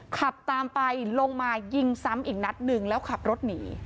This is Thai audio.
ขับตามไปลงมายิงซ้ำอีกนัดหนึ่งแล้วขับรถหนี